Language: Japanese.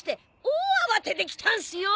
大慌てで来たんすよ！